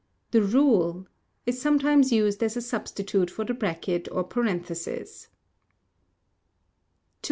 The rule is sometimes used as a substitute for the bracket or parenthesis. 202.